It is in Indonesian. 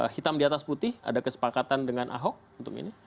hitam di atas putih ada kesepakatan dengan ahok untuk ini